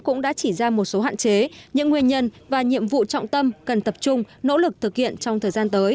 cũng đã chỉ ra một số hạn chế những nguyên nhân và nhiệm vụ trọng tâm cần tập trung nỗ lực thực hiện trong thời gian tới